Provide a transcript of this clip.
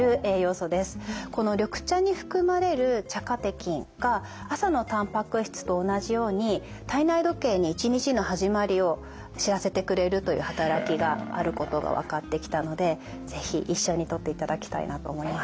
この緑茶に含まれる茶カテキンが朝のたんぱく質と同じように体内時計に一日の始まりを知らせてくれるという働きがあることが分かってきたので是非一緒にとっていただきたいなと思います。